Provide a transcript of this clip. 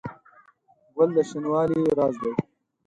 ګل د شینوالي راز دی.